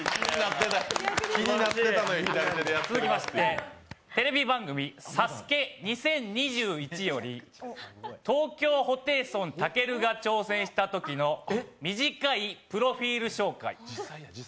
続きまして、テレビ番組「ＳＡＳＵＫＥ２０２１」より東京ホテイソン・たけるが挑戦したときの短いプロフィール紹介。